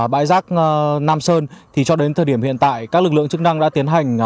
bãi rác nam sơn thì cho đến thời điểm hiện tại các lực lượng chức năng đã tiến hành